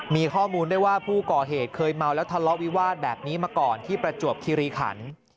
มีข้อมูลได้ว่าผู้ก่อเหตุเคยเมาแล้วทะเลาะวิวาสแบบนี้มาก่อนที่ประจวบคิริขัน